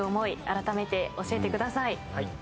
あらためて教えてください。